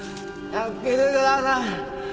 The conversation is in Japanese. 助けてください